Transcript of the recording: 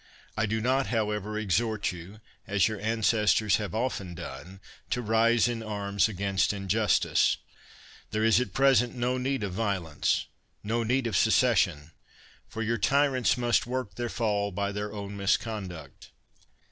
I do not, however, exhort you, as your ancestors have often done, to rise in arms against injustice. There is at present no need of violence, no need of secession; for your tyrants must work their fall by their own misconduct.